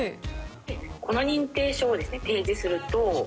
この認定証を提示すると。